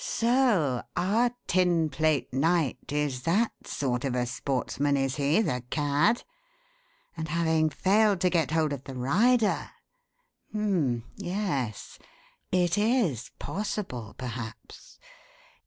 "So our Tinplate Knight is that sort of a sportsman, is he, the cad? And having failed to get hold of the rider H'm! Yes. It is possible perhaps.